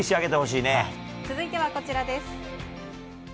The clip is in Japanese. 続いては、こちらです。